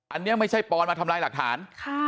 อันนี้ไม่ใช่ปอนมาทำลายหลักฐาน